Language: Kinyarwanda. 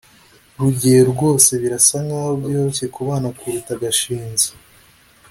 rugeyo rwose birasa nkaho byoroshye kubana kuruta gashinzi